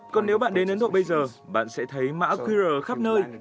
còn nếu bạn đến ấn độ bây giờ bạn sẽ thấy mã qr khắp nơi